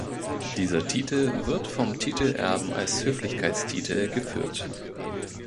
Dieser Titel wird vom Titelerben als Höflichkeitstitel geführt.